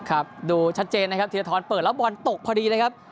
ครับดูชัดเจนนะครับธีรทรเปิดแล้วบอลตกพอดีเลยครับ